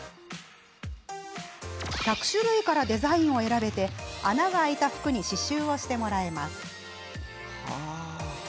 １００種類からデザインを選べて穴が開いた服に刺しゅうをしてもらえます。